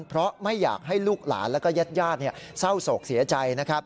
เพราะไม่อยากให้ลูกหลานแล้วก็ญาติยาดเศร้าศกเสียใจ